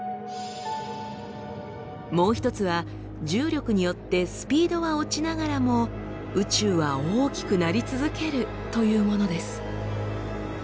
もう一つは重力によってスピードは落ちながらも宇宙は大きくなり続けるというものです。